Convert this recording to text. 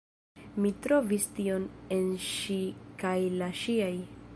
Mi trovis tion en ŝi kaj en la ŝiaj.